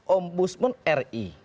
om busman ri